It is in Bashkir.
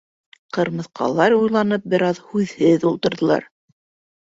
Ҡырмыҫҡалар уйланып бер аҙ һүҙһеҙ ултырҙылар.